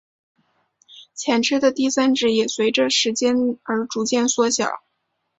前肢的第三指也随者时间而逐渐缩小。